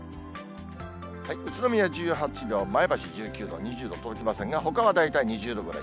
宇都宮１８度、前橋１９度、２０度届きませんが、ほかは大体２０度ぐらい。